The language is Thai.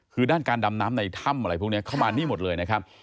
คือด้านการดำน้ำในถ้ำอะไรพวกนี้เข้ามานี่หมดเลยนะครับ